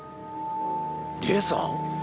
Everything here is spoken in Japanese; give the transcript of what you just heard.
理恵さん？